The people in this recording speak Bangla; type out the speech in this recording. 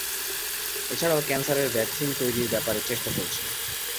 এছাড়াও ক্যান্সারের ভ্যাকসিন তৈরির ব্যাপারে চেষ্টা চলছে।